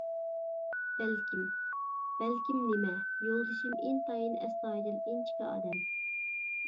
-بەلكىم؟ بەلكىم نېمە؟ -يولدىشىم ئىنتايىن ئەستايىدىل، ئىنچىكە ئادەم.